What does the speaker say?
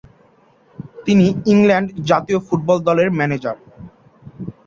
তিনি ইংল্যান্ড জাতীয় ফুটবল দলের ম্যানেজার।